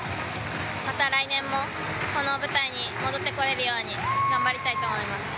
また来年もこの舞台に戻ってこられるように頑張りたいと思います。